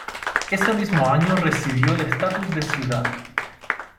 Ese mismo año recibió el estatus de ciudad.